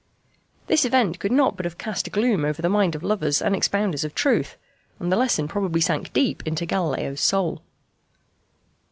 This event could not but have cast a gloom over the mind of lovers and expounders of truth, and the lesson probably sank deep into Galileo's soul.